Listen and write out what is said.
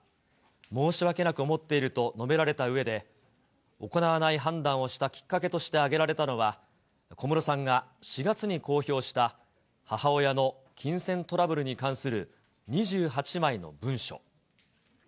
申し訳なく思っていると述べられたうえで、行わない判断をしたきっかけとして挙げられたのは、小室さんが４月に公表した、母親の金銭トラブルに関する２８枚の文書。